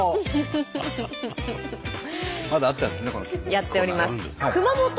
やっております。